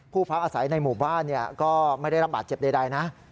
พักอาศัยในหมู่บ้านก็ไม่ได้รับบาดเจ็บใดนะ